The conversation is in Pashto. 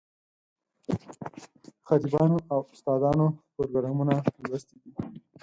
خطیبانو او استادانو پروګرامونه لوستلي دي.